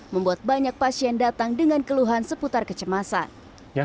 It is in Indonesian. membuat banyak pasien datang dengan keluhan seputar kecemasan